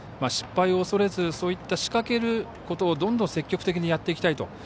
失敗を恐れず、仕掛けることをどんどん積極的にやっていきたいと。